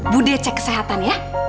bu decek kesehatan ya